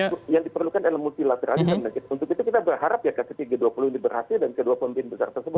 yang diperlukan adalah multilateralism untuk itu kita berharap ya ke dua puluh ini berhasil dan ke dua puluh besar tersebut datang